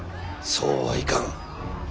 そうはいかん。